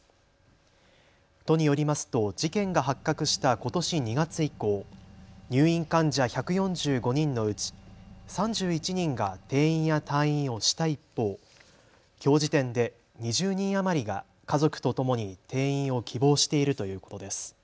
都によりますと事件が発覚したことし２月以降、入院患者１４５人のうち３１人が転院や退院をした一方、きょう時点で２０人余りが家族とともに転院を希望しているということです。